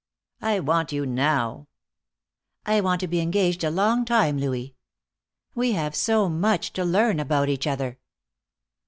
"I want you now." "I want to be engaged a long time, Louis. We have so much to learn about each other."